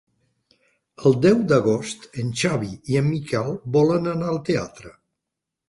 El deu d'agost en Xavi i en Miquel volen anar al teatre.